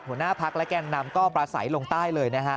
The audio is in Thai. หัวหน้าพักและแก่นนำก็ประสัยลงใต้เลยนะฮะ